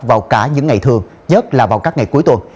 vào cả những ngày thường nhất là vào các ngày cuối tuần